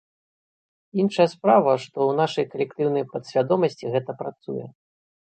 Іншая справа, што ў нашай калектыўнай падсвядомасці гэта працуе.